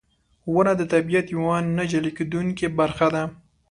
• ونه د طبیعت یوه نه جلا کېدونکې برخه ده.